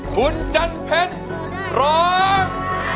คุณจันเพชรร้อง